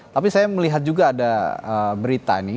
tapi saya melihat juga ada berita ini